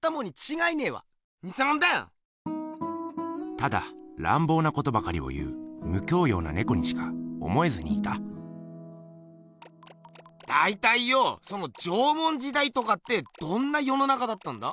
ただ乱暴なことばかりを言う無教養なねこにしか思えずにいただいたいよその縄文時代とかってどんな世の中だったんだ？